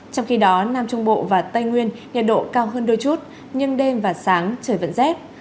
trong khi đó nam trung bộ và tây nguyên nhiệt độ cao hơn đôi chút nhưng đêm và sáng trời vẫn rét